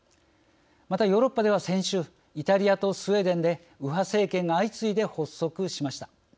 また、ヨーロッパでは先週、イタリアとスウェーデンで右派政権が相次いで発足しました。